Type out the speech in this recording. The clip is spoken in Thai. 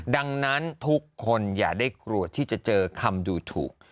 ดังนั้นทุกคนอย่าได้กลัวที่จะเจอคำดูถูก